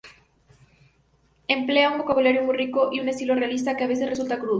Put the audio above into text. Emplea un vocabulario muy rico y un estilo realista, que a veces resulta crudo.